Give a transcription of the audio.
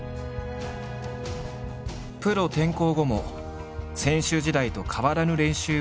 プロ転向後も選手時代と変わらぬ練習を続けている羽生。